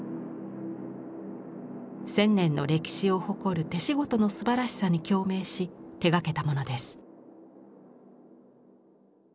１，０００年の歴史を誇る手仕事のすばらしさに共鳴し手がけたものです。